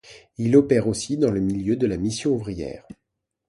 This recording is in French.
Il opère aussi dans le milieu de la Mission ouvrière.